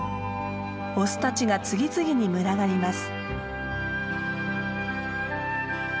オスたちが次々に群がります。